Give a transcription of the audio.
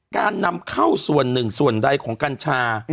การนำเข้าส่วนหนึ่งส่วนใดของกัญชา